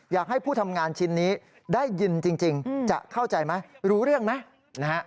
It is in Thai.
อยากให้ผู้ทำงานชิ้นนี้ได้ยินจริงจะเข้าใจไหมรู้เรื่องไหมนะฮะ